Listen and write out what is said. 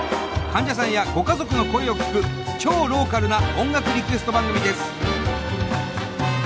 患者さんやご家族の声を聞く超ローカルな音楽リクエスト番組です。